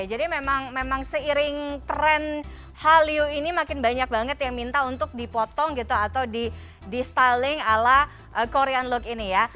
jadi memang seiring tren haliu ini makin banyak banget yang minta untuk dipotong gitu atau di styling ala korean look ini ya